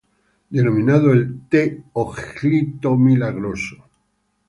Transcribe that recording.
Denominado el "t´ojlito milagroso".